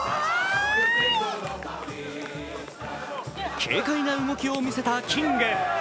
軽快な動きを見せたキング。